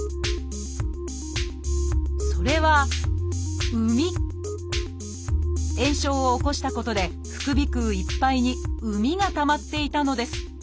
それは炎症を起こしたことで副鼻腔いっぱいに膿がたまっていたのです。